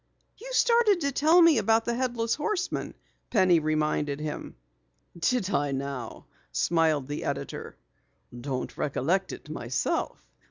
"You started to tell me about the Headless Horseman," Penny reminded him. "Did I now?" smiled the editor. "Don't recollect it myself.